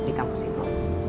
di kampus itu